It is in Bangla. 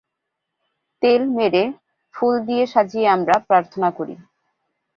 তেল মেরে, ফুল দিয়ে সাজিয়ে আমরা প্রার্থনা করি।